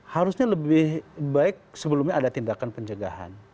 harusnya lebih baik sebelumnya ada tindakan pencegahan